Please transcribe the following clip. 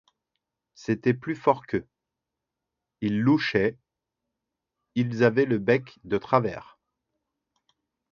C'était plus fort qu'eux, ils louchaient, ils avaient le bec de travers.